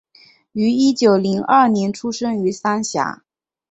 於一九零二年出生于三峡